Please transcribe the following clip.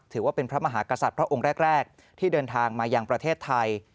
ถือว่าเป็นพระมหากษัตริย์พระองค์แรกที่เดินทางมายังประเทศไทย